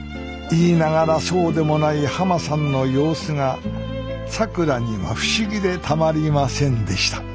言いながらそうでもないはまさんの様子がさくらには不思議でたまりませんでした。